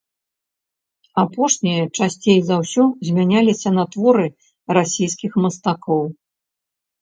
Апошнія часцей за ўсё замяняліся на творы расійскіх мастакоў.